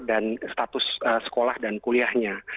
dan status sekolah dan kuliahnya